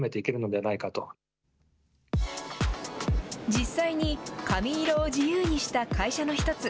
実際に髪色を自由にした会社の一つ。